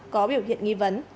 có biểu hiện nghi vấn